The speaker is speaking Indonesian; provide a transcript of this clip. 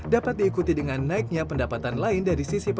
dapat diikuti dengan naiknya pendapatan lain dari sisi bisnis